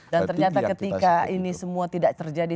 dan ternyata ketika ini semua tidak terjadi